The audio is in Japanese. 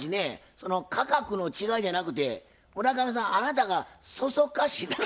その価格の違いじゃなくて村上さんあなたがそそっかしいだけと違いますか？